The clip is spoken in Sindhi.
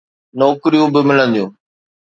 نوڪريون به ملنديون.